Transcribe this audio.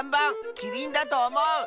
キリンだとおもう！